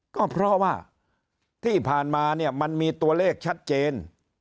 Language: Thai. ก็เพราะว่าที่ผ่านมาเนี่ยมันมีตัวเลขชัดเจน